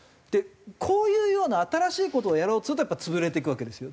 こういうような新しい事をやろうとするとやっぱ潰れていくわけですよ。